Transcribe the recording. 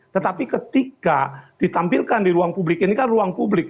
tetapi ketika ditampilkan di ruang publik